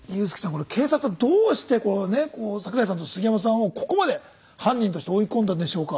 これ警察はどうして桜井さんと杉山さんをここまで犯人として追い込んだんでしょうか？